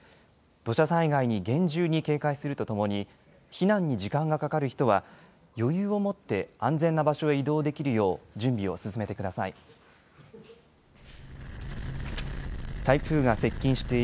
土砂災害に厳重に警戒するとともに避難に時間がかかる人は余裕を持って安全な場所へ移動できるよう準備を進めてください。